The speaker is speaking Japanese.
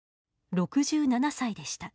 ６７歳でした。